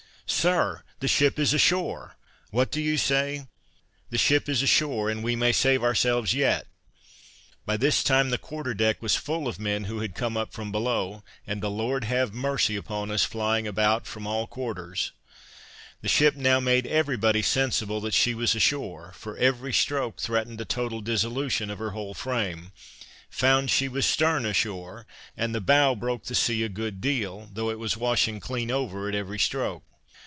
"Sir, the ship is ashore!" "What do you say?" "The ship is ashore, and we may save ourselves yet!" By this time the quarter deck was full of men who had come up from below; and 'the Lord have mercy upon us,' flying about from all quarters. The ship now made every body sensible that she was ashore, for every stroke threatened a total dissolution of her whole frame; found she was stern ashore, and the bow broke the sea a good deal, though it was washing clean over at every stroke.